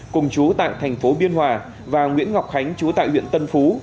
cùng chú tại thành phố biên hòa và nguyễn ngọc khánh chú tại huyện tân phú